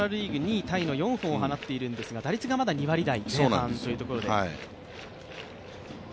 ４位タイの２本放っているんですが打率がまだ２割台というところで。